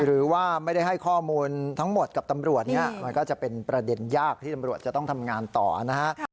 หรือว่าไม่ได้ให้ข้อมูลทั้งหมดกับตำรวจเนี่ยมันก็จะเป็นประเด็นยากที่ตำรวจจะต้องทำงานต่อนะฮะ